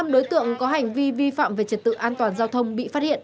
ba trăm chín mươi năm đối tượng có hành vi vi phạm về trật tự an toàn giao thông bị phát hiện